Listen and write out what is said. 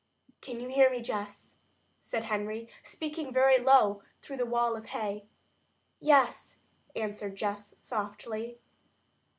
"Can you hear me, Jess?" said Henry, speaking very low through the wall of hay. "Yes," answered Jess softly.